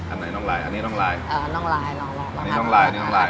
อันไหนน่องลายอันนี้น่องลายเออน่องลายลองลองนี่น่องลายนี่น่องลาย